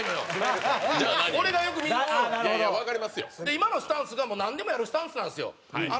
今のスタンスがもうなんでもやるスタンスなんですよ。